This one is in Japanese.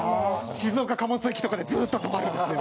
静岡貨物駅とかでずっと止まるんですよ。